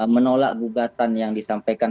menolak gugatan yang disampaikan